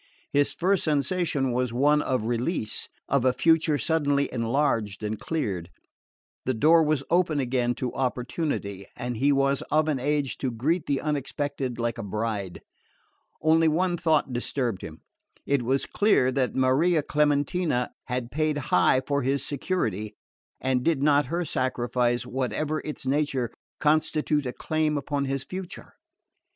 His first sensation was one of release, of a future suddenly enlarged and cleared. The door was open again to opportunity, and he was of an age to greet the unexpected like a bride. Only one thought disturbed him. It was clear that Maria Clementina had paid high for his security; and did not her sacrifice, whatever its nature, constitute a claim upon his future?